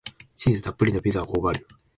チーズたっぷりのピザをほおばる